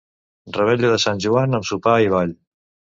Revetlla de Sant Joan amb sopar i ball.